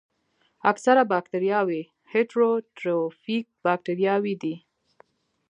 اکثره باکتریاوې هیټروټروفیک باکتریاوې دي.